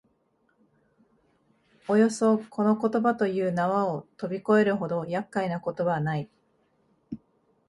およそこの言葉という縄をとび越えるほど厄介なことはない